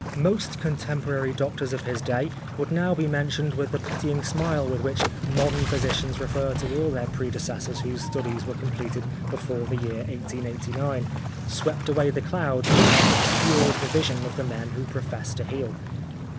Most contemporary doctors of his day would now be mentioned with the pitying smile with which modern physicians refer to all their predecessors whose studies w^ere com pleted before the year 1889 swept away the clouds which had obscured the vision of the men who profess to heal.